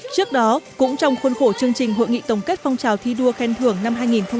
trước đó cũng trong khuôn khổ chương trình hội nghị tổng kết phong trào thi đua khen thưởng năm hai nghìn một mươi tám